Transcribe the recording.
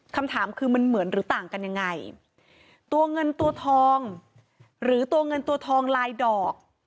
คำถามคือมันเหมือนหรือต่างกันยังไงตัวเงินตัวทองหรือตัวเงินตัวทองลายดอก